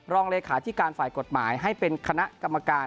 รองเลขาธิการฝ่ายกฎหมายให้เป็นคณะกรรมการ